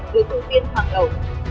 được ưu tiên hàng đầu